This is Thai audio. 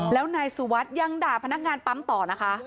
แล้วนายสุวัสดิ์ยังด่าพนักงานปั๊มต่อนะคะ